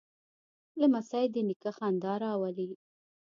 لمسی د نیکه خندا راولي.